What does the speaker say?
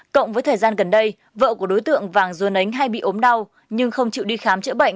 cộng với thời gian gần đây vợ của đối tượng vàng run ánh hay bị ốm đau nhưng không chịu đi khám chữa bệnh